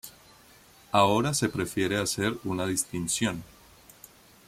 Ahora se prefiere hacer una distinción.